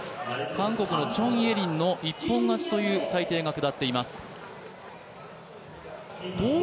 韓国のチョン・イェリンの一本勝ちという判定が下っています。